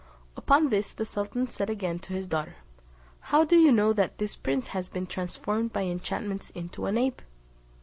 Upon this the sultan said again to his daughter, "How do you know that this prince has been transformed by enchantments into an ape?"